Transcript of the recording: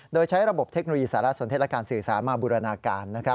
โดยใช้ระบบเทคโนโลยีสารสนเทศและการสื่อสารมาบูรณาการ